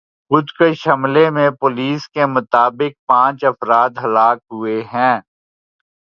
خودکش حملے میں پولیس کے مطابق پانچ افراد ہلاک ہوئے ہیں